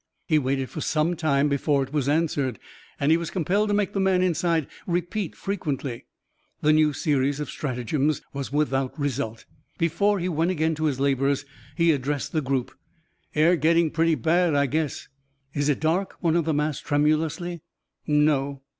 He waited for some time before it was answered, and he was compelled to make the man inside repeat frequently. The new series of stratagems was without result. Before he went again to his labours, he addressed the group. "Air getting pretty bad, I guess." "Is it dark?" one of them asked tremulously. "No."